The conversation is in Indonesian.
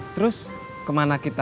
terus kemana kita